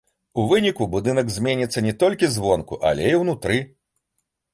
У выніку будынак зменіцца не толькі звонку, але і ўнутры.